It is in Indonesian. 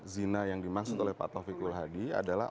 zina yang dimaksud oleh pak taufik kulhadi adalah